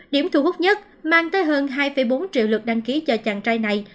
điểm thu hút nhất mang tới hơn hai bốn triệu lượt đăng ký cho chàng trai này